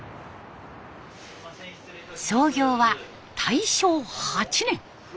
創業は大正８年。